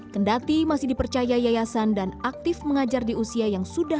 kendati masih dipercaya yayasan dan aktif mengajar di usia yang sudah